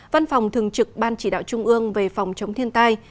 văn phòng thường trực ban chỉ đạo trung ương về phòng chống thiên tai